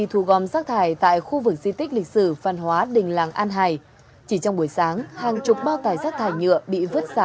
thu gom rác thải tại khu vực di tích lịch sử phan hóa đình làng an hải